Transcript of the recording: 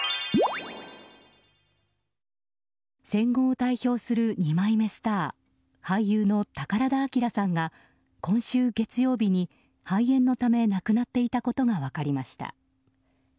戦後を代表する２枚目スター俳優の宝田明さんが今週月曜日に肺炎のため亡くなっていたことが分かりました。